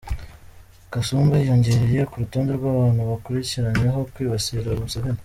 Kasumba yiyongereye ku rutonde rw’abantu bakurikiranyweho kwibasira Museveni.